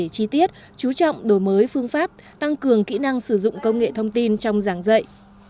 chi tiết chú trọng đổi mới phương pháp tăng cường kỹ năng sử dụng công nghệ thông tin trong giảng dạy